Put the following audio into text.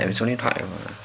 nên hệ số điện thoại